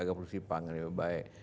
agar produksi pangan lebih baik